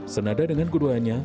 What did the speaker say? senada dengan keduanya